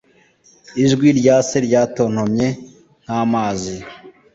Ijwi rya se ryatontomye nk'amazi.